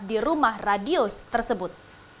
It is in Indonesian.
di rumah radios tersebut